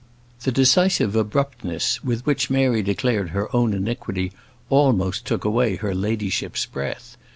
The decisive abruptness with which Mary declared her own iniquity almost took away her ladyship's breath.